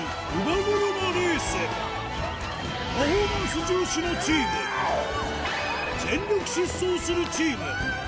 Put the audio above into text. パフォーマンス重視のチーム全力疾走するチーム